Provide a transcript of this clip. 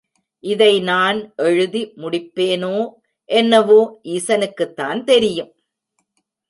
இதை நான் எழுதி முடிப்பேனோ என்னவோ ஈசனுக்குத்தான் தெரியும்.